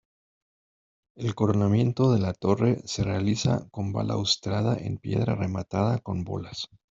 El coronamiento de la torre se realiza con balaustrada en piedra rematada con bolas.